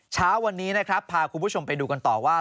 เช้าวันนี้นะครับพาคุณผู้ชมไปดูกันต่อว่า